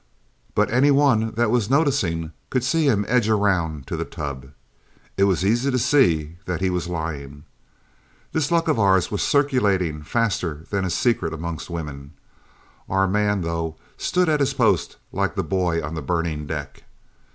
But any one that was noticing could see him edge around to the tub. It was easy to see that he was lying. This luck of ours was circulating faster than a secret amongst women. Our man, though, stood at his post like the boy on the burning deck.